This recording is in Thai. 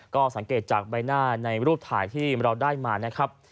ก็สังเกตจากใบหน้าในรูปถ่ายที่เราได้มานะครับ